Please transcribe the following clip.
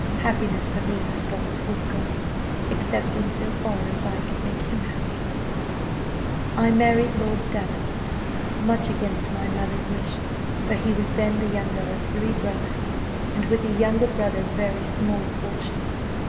Happiness for me, I thought, was gone, except in so far as I could make him happy. "I married Lord Davenant much against my mother's wish, for he was then the younger of three brothers, and with a younger brother's very small portion.